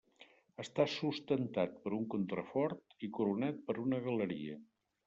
Està sustentat per un contrafort i coronat per una galeria.